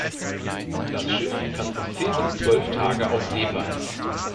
Das Schiff kann rund zehn bis zwölf Tage auf See bleiben.